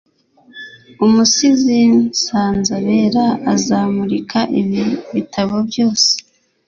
umusizi nsanzabera azamurika ibi bitabo byose